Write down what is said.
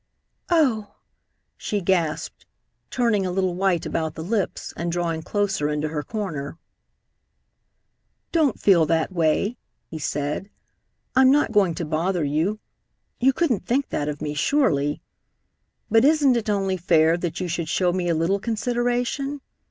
"Oh!" she gasped, turning a little white about the lips, and drawing closer into her corner. "Don't feel that way," he said. "I'm not going to bother you. You couldn't think that of me, surely. But isn't it only fair that you should show me a little consideration?